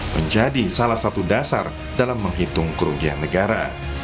menjadi salah satu dasar dalam menghitung kerugian negara